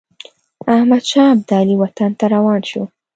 احمدشاه ابدالي وطن ته روان شو.